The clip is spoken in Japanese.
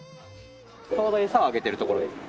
ちょうどエサをあげてるところですね。